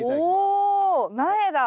お苗だ！